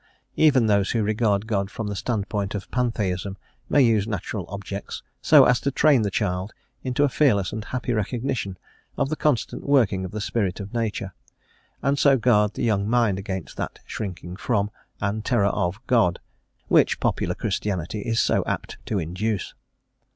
* Even those who regard God from the stand point of Pantheism may use natural objects so as to train the child into a fearless and happy recognition of the constant working of the Spirit of Nature, and so guard the young mind against that shrinking from, and terror of God, which popular Christianity is so apt to induce.